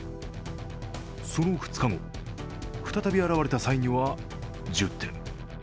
その２日後、再び現れた際には１０点。